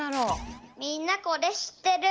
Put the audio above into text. みんなこれしってる？